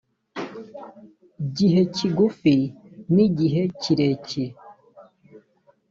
gihe kigufi n igihe kirekire